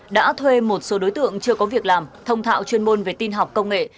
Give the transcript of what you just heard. đã thuê một số đối tượng chưa có việc làm thông thạo chuyên môn về tin học công nghệ